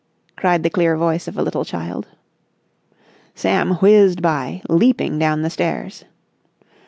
cried the clear voice of a little child. Sam whizzed by, leaping down the stairs.